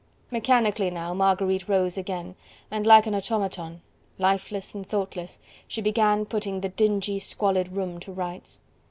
Mechanically now Marguerite rose again, and like an automaton lifeless and thoughtless she began putting the dingy, squalid room to rights.